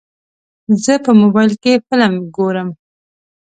زه په موبایل کې فلم ګورم.